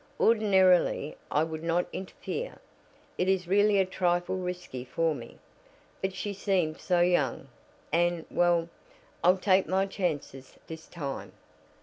Ordinarily I would not interfere it is really a trifle risky for me, but she seems so young; and well, I'll take my chances this time."